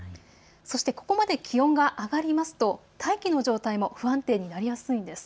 そして、ここまで気温が上がりますと大気の状態も不安定になりやすいんです。